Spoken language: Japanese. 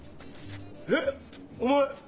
えっお前？